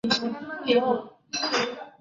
主席和行政总裁为韦杰。